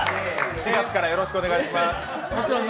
４月からよろしくお願いします。